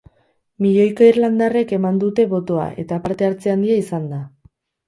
Milioika irandarrek eman dute botoa eta parte-hartze handia izan da.